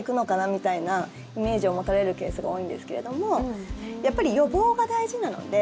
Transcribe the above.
みたいなイメージを持たれるケースが多いんですけれどもやっぱり予防が大事なので。